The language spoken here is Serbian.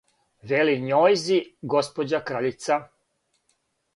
Вели њојзи госпођа краљица: